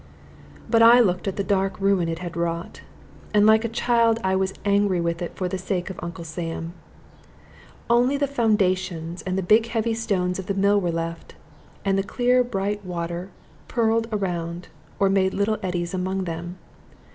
But I looked at the dark ruin it had wrought, and like a child I was angry with it for the sake of Uncle Sam. Only the foundations and the big heavy stones of the mill were left, and the clear bright water purled around, or made little eddies among them.